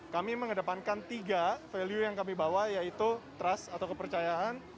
kami mengedepankan tiga value yang kami bawa yaitu trust atau kepercayaan